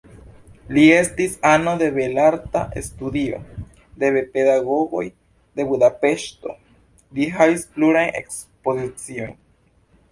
Li estis ano de belarta studio de pedagogoj de Budapeŝto, li havis plurajn ekspoziciojn.